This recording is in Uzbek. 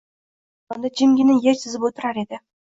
Аmir ayvonda jimgina yer chizib oʼtirar edi.